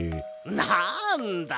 なんだ！